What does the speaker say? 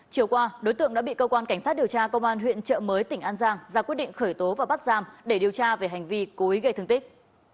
chiều qua đối tượng đã bị cơ quan cảnh sát điều tra công an huyện trợ mới tỉnh an giang ra quyết định khởi tố và bắt giam để điều tra về hành vi cố ý gây thương tích